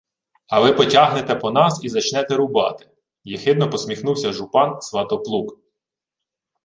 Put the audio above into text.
— А ви потягнете по нас і зачнете рубати? — єхидно посміхнувся жупан Сватоплук.